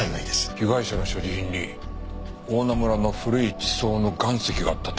被害者の所持品に大菜村の古い地層の岩石があったって事か。